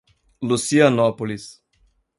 Lucianópolis